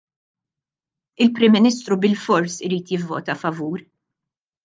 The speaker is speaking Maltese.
Il-Prim Ministru bilfors irid jivvota favur!